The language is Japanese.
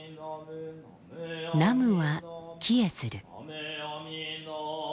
「南無」は帰依する。